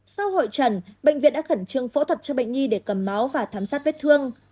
sau hội trần bệnh viện đã khẩn trương phẫu thuật cho bệnh nhi để cầm máu và thám sát vết thương